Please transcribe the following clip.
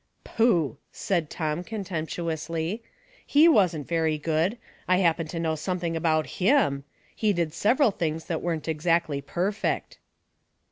" Pooh !" said Tom, contemptuously, " he wasn't very good. I happen to know something about him. He did several things that weren't exactly perfect."